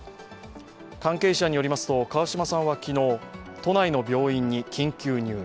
関係者によりますと川嶋さんは昨日、都内の病院に緊急入院。